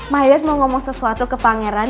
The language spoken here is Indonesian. my dad mau ngomong sesuatu ke pangeran